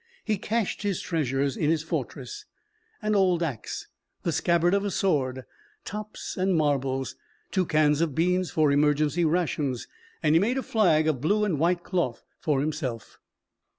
He cached his treasures in his fortress an old axe, the scabbard of a sword, tops and marbles, two cans of beans for emergency rations and he made a flag of blue and white cloth for himself.